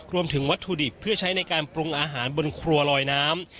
รวมถึงวัตถุดิบเพื่อใช้ในการปรุงอาหารบนครัวลอยน้ำ